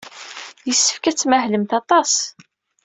Yessefk ad tmahlemt aṭas.